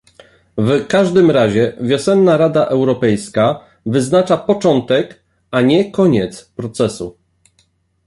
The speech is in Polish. W każdym razie wiosenna Rada Europejska wyznacza początek, a nie koniec procesu